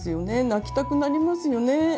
泣きたくなりますよね。